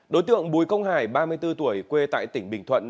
đối tượng bùi công hải ba mươi bốn tuổi quê tại tỉnh bình thuận